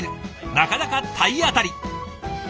なかなか体当たり！